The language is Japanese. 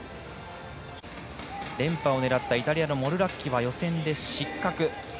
連覇を狙ったイタリアのモルラッキは予選で失格。